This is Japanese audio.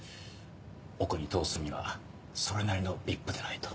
奥に通すにはそれなりのＶＩＰでないと。